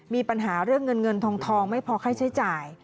มีปัญหาเรื่องเงินเงินทองไม่พอค่าใช้จ่าย